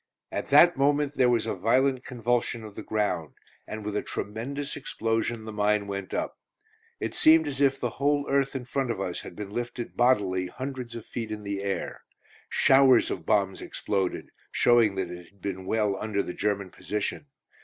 At that moment there was a violent convulsion of the ground, and with a tremendous explosion the mine went up. It seemed as if the whole earth in front of us had been lifted bodily hundreds of feet in the air. Showers of bombs exploded, showing that it had been well under the German position.